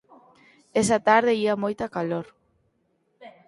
Esa tarde ía moita calor.